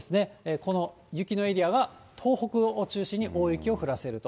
この雪のエリアが東北を中心に大雪を降らせると。